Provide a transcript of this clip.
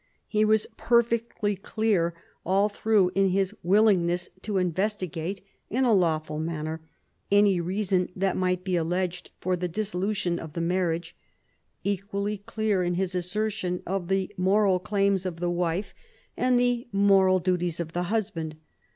He was per fectly clear all through in his willingness to investigate, in a lawful manner, any reason that might be alleged for the dissolution of the marriage, equally clear in his assertion of the moral claims of the wife and the moral 180 PHILIP AUGUSTUS chap. duties of the husband.